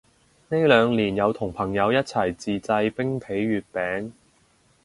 呢兩年有同朋友一齊自製冰皮月餅